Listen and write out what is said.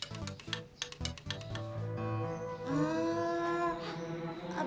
eh kok bangun sih bang